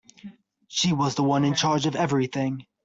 She was the one in charge of everything.